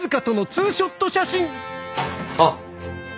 あっ。